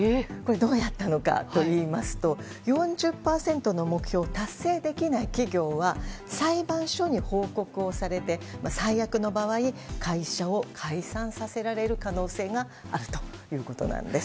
どうやったのかといいますと４０％の目標を達成できない企業は裁判所に報告をされて最悪の場合会社を解散させられる可能性があるということです。